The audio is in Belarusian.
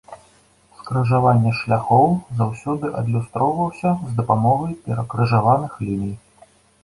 Скрыжаванне шляхоў заўсёды адлюстроўваўся з дапамогай перакрыжаваных ліній.